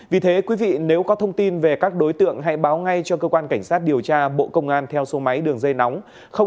vì thế quý vị nếu có thông tin về các đối tượng hãy báo ngay cho cơ quan cảnh sát điều tra bộ công an theo số máy đường dây nóng